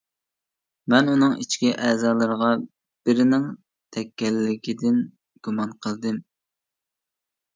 مەن ئۇنىڭ ئىچكى ئەزالىرىغا بىرىنىڭ تەگكەنلىكىدىن گۇمان قىلدىم.